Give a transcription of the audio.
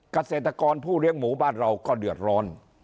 เกษตรกรผู้เลี้ยงหมู่บ้านเราก็เดือดร้อน